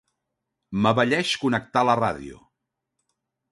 M'abelleix connectar la ràdio.